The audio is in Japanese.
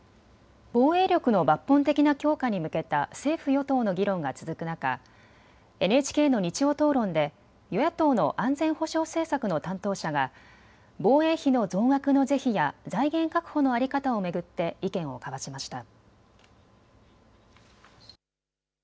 防衛力の抜本的な強化に向けた政府与党の議論が続く中、ＮＨＫの日曜討論で与野党の安全保障政策の担当者が防衛費の増額の是非や財源確保の在り方を巡って意見を交わしました。